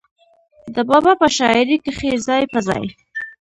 د بابا پۀ شاعرۍ کښې ځای پۀ ځای